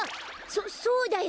そそうだよ！